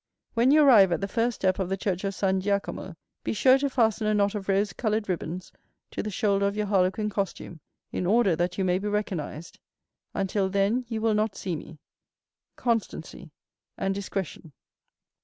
When you arrive at the first step of the church of San Giacomo, be sure to fasten a knot of rose colored ribbons to the shoulder of your harlequin costume, in order that you may be recognized. Until then you will not see me. —Constancy and Discretion."